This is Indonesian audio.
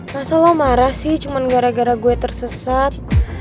masa lo marah sih cuman gara gara gue tersesat